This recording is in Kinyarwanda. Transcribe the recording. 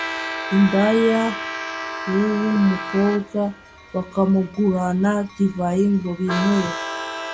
indaya w uwumukobwa bakamugurana divayi ngo binywere